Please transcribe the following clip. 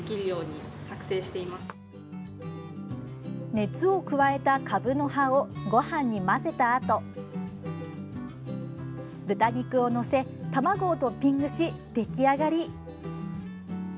熱を加えたかぶの葉をご飯に混ぜたあと豚肉を載せ卵をトッピングし、出来上がり。